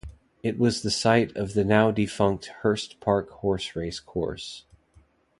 It was the site of the now defunct Hurst Park horse race course.